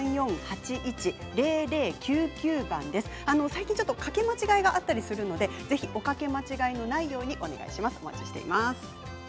最近かけ間違いがあったりしますのでおかけ間違いのないようにお願いします。